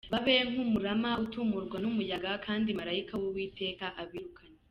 Babe nk’umurama utumurwa n’umuyaga Kandi marayika w’Uwiteka abirukane.